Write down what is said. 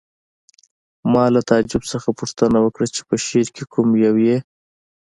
ما له تعجب څخه پوښتنه وکړه چې په شعر کې کوم یو یې